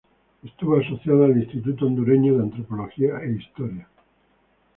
Estuvo asociada al Instituto Hondureño de Antropología e Historia.